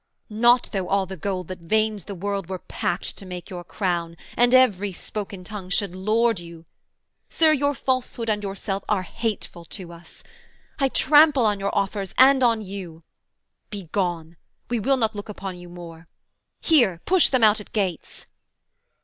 not though all the gold That veins the world were packed to make your crown, And every spoken tongue should lord you. Sir, Your falsehood and yourself are hateful to us: I trample on your offers and on you: Begone: we will not look upon you more. Here, push them out at gates.'